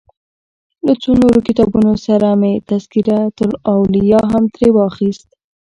له څو نورو کتابونو سره مې تذکرة الاولیا هم ترې واخیست.